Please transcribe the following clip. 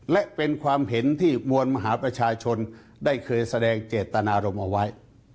และเป็นความเห็นที่มวลมหาประชาชนได้เคยแสดงเจตนารมณ์เอาไว้